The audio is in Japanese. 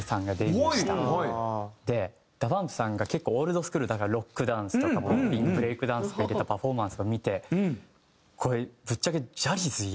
ＤＡＰＵＭＰさんが結構オールドスクールだからロックダンスとかポッピンブレイクダンスとか入れたパフォーマンスとか見てこれぶっちゃけ。